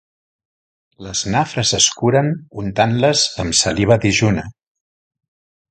Les nafres es curen untant-les amb saliva dejuna.